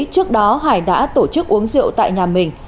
trước đó hải đã tổ chức uống rượu tại nhà mình